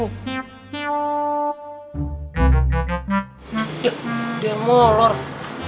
lho pada kemana orang